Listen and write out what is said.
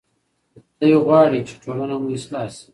دی غواړي چې ټولنه مو اصلاح شي.